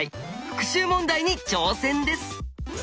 復習問題に挑戦です！